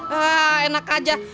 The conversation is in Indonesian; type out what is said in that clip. hah enak aja